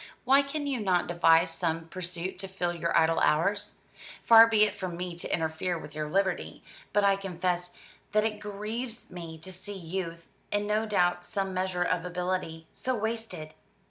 Why can you not devise some pursuit to fill your idle hours? Far be it from me to interfere with your liberty; but I confess that it grieves me to see youth, and no doubt some measure of ability, so wasted.